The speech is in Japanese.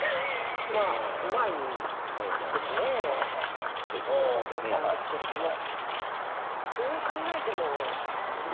「まあうまいですね」とおっしゃっていたんですけども。